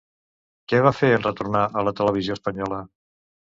Què va fer en retornar a la Televisió Espanyola?